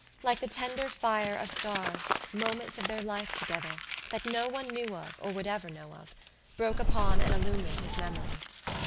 Like the tender fire of stars moments of their life together, that no one knew of or would ever know of, broke upon and illumined his memory.